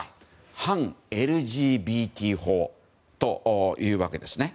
反ＬＧＢＴ法というわけです。